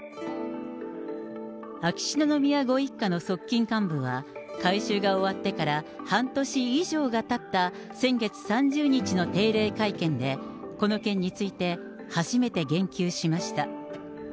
秋篠宮ご一家の側近幹部は、改修が終わってから半年以上がたった先月３０日の定例会見で、この件について、初めて言及しました。